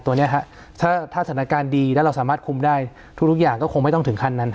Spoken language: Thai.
ตัวนี้ถ้าสถานการณ์ดีแล้วเราสามารถคุมได้ทุกอย่างก็คงไม่ต้องถึงขั้นนั้น